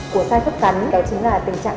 của sai thức cắn đó chính là tình trạng